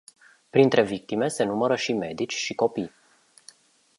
Printre victime se numără și medici și copii.